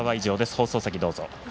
放送席、どうぞ。